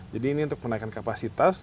jadi ini untuk menaikkan kapasitas